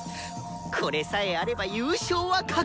これさえあれば優勝は確実！